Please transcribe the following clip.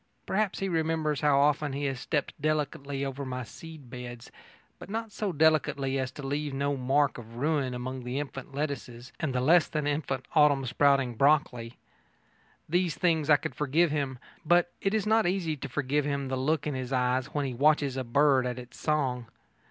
Perhaps he remembers how often he has stepped delicately over my seed beds, but not so delicately as to leave no mark of ruin among the infant lettuces and the less than infant autumn sprouting broccoli. These things I could forgive him, but it is not easy to forgive him the look in his eyes when he watches a bird at its song.